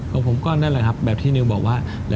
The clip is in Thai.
ผมก็นั่นแหละครับแบบที่นิวบอกว่า